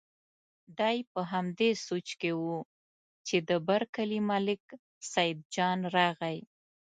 دی په همدې سوچ کې و چې د بر کلي ملک سیدجان راغی.